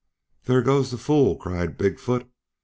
"There goes the fool!" cried Big foot.